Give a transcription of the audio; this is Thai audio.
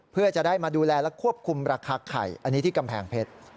เพื่อจะได้มาดูแลและควบคุมราคาไข่อันนี้ที่กำแพงเพชร